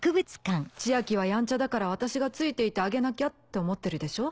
千昭はやんちゃだから私がついていてあげなきゃって思ってるでしょ？